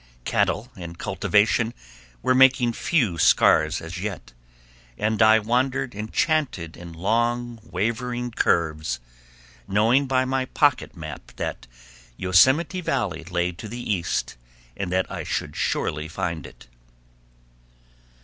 Cattle and cultivation were making few scars as yet, and I wandered enchanted in long wavering curves, knowing by my pocket map that Yosemite Valley lay to the east and that I should surely find it.